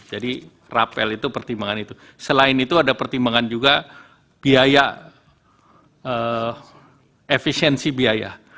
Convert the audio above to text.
jadi rapel itu pertimbangan itu selain itu ada pertimbangan juga biaya efisiensi biaya